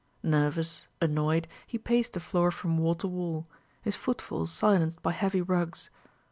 Nervous, annoyed, he paced the floor from wall to wall, his footfalls silenced by heavy rugs.